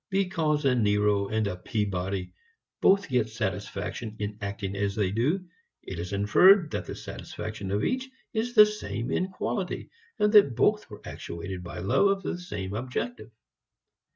Because a Nero and a Peabody both get satisfaction in acting as they do it is inferred that the satisfaction of each is the same in quality, and that both were actuated by love of the same objective.